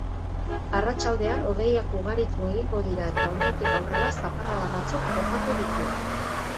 Arratsaldean hodeiak ugaritu egingo dira eta ordutik aurrera zaparrada batzuk botako ditu.